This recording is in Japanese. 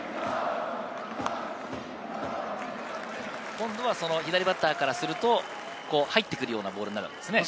今度は左バッターからすると、入ってくるようなボールになるわけですね。